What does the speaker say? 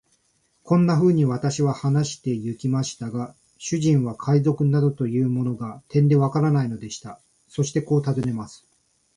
こんなふうに私は話してゆきましたが、主人は海賊などというものが、てんでわからないのでした。そしてこう尋ねます。